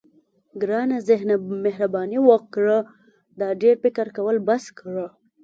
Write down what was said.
ګرانه ذهنه مهرباني وکړه دا ډېر فکر کول بس کړه.